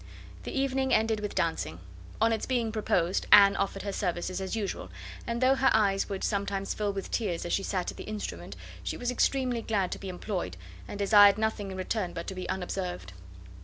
The evening ended with dancing. On its being proposed, Anne offered her services, as usual; and though her eyes would sometimes fill with tears as she sat at the instrument, she was extremely glad to be employed, and desired nothing in return but to be unobserved.